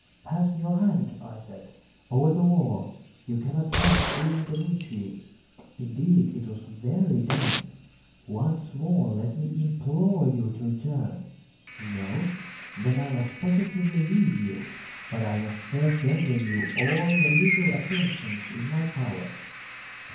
"Pass your hand," I said, "over the wall; you cannot help feeling the nitre. Indeed it is very damp. Once more let me implore you to return. No? Then I must positively leave you. But I must first render you all the little attentions in my power."